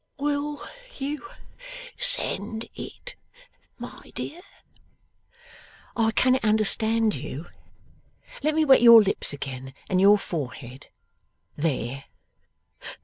'Will you send it, my dear?' 'I cannot understand you. Let me wet your lips again, and your forehead. There.